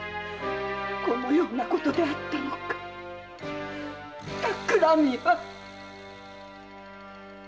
このようなことであったのか企みは！